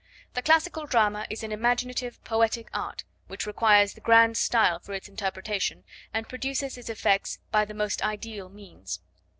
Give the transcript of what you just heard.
The classical drama is an imaginative, poetic art, which requires the grand style for its interpretation, and produces its effects by the most ideal means.